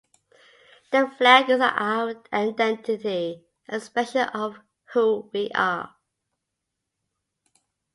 The flag is our identity and expression of who we are.